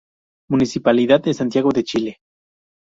Municipalidad de Santiago de Chile.